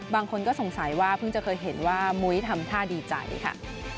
บางคนก็สงสัยว่าเพิ่งจะเคยเห็นว่ามุ้ยทำท่าดีใจค่ะ